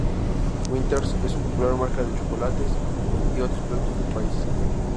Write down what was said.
Winter's es una popular marca de chocolates y otros productos del país.